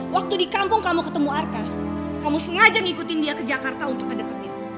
waktu di kampung kamu ketemu arka kamu sengaja ngikutin dia ke jakarta untuk deketin